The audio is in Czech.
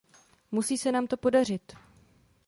Musí se nám to podařit.